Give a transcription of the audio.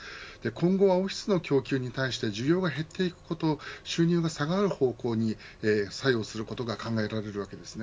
今後はオフィスの供給に対して需要が減っていくこと収入が下がる方向に作用することが考えられるわけです。